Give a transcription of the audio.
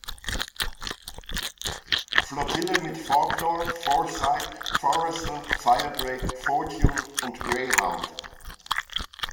Flottille mit "Faulknor", "Foresight", "Forester", "Firedrake", "Fortune" und "Greyhound".